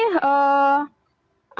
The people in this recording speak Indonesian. apakah kalian juga berkumpul berbicara